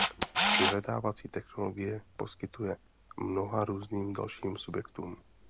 Vyhledávací technologii poskytuje mnoha různým dalším subjektům.